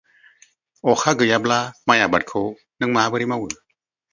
अखा गैयाब्ला माइ आबादखौ नों माबोरै मावो?